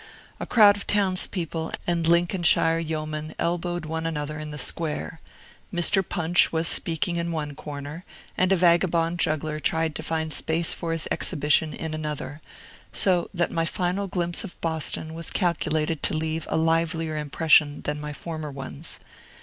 A crowd of towns people and Lincolnshire yeomen elbowed one another in the square; Mr. Punch was squeaking in one corner, and a vagabond juggler tried to find space for his exhibition in another: so that my final glimpse of Boston was calculated to leave a livelier impression than my former ones.